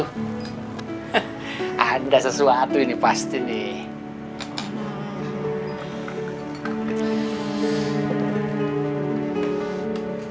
ada sesuatu ini pasti nih